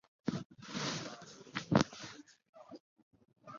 最后两个联盟冠军夺考尔德杯。